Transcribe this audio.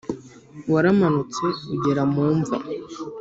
waramanutse ugera mu mva.